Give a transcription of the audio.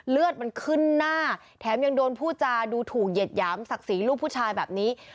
เลือดมันขึ้นหน้าแถมยังโดนพูดจาดูถูกเหยียดหยามศักดิ์ศรีลูกผู้ชายแบบนี้